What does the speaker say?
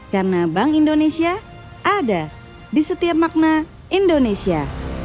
karena bank indonesia ada di setiap makna indonesia